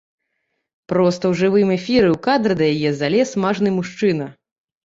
Проста ў жывым эфіры ў кадр да яе залез мажны мужчына.